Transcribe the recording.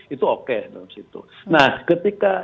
itu oke nah ketika